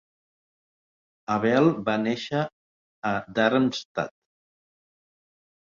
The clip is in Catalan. Abel va nàixer a Darmstadt.